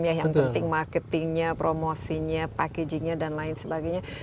yang penting marketingnya promosinya packagingnya dan lain sebagainya